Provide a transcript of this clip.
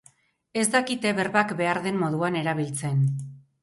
Ez dakite berbak behar den moduan erabiltzen.